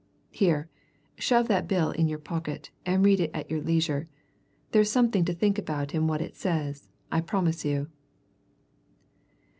Here, shove that bill in your pocket, and read it at your leisure there's something to think about in what it says, I promise you."